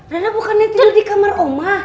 reina bukannya tidur di kamar oma